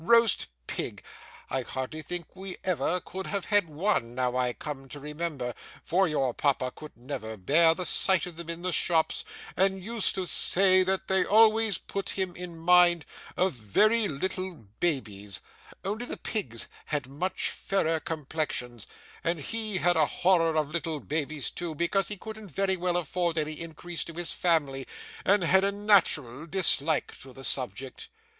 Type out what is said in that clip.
Roast pig! I hardly think we ever could have had one, now I come to remember, for your papa could never bear the sight of them in the shops, and used to say that they always put him in mind of very little babies, only the pigs had much fairer complexions; and he had a horror of little babies, too, because he couldn't very well afford any increase to his family, and had a natural dislike to the subject.